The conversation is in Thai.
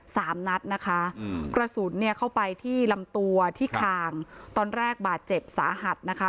สามนัดนะคะอืมกระสุนเนี่ยเข้าไปที่ลำตัวที่คางตอนแรกบาดเจ็บสาหัสนะคะ